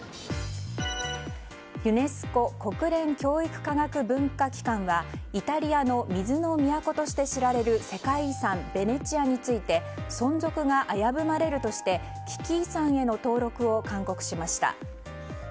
ユネスコ・国連教育科学文化機関はイタリアの水の都として知られる世界遺産ベネチアについて存続が危ぶまれるとして危機遺産への登録を勧告しました。